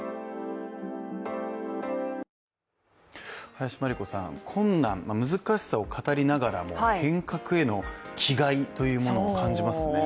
林真理子さん、困難、難しさを語りながらも変革への気概というものを感じますね。